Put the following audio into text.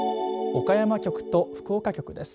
岡山局と福岡局です。